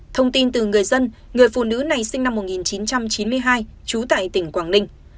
thông tin từ người dân người phụ nữ này sinh năm một nghìn chín trăm chín mươi hai trú tại tỉnh quảng ninh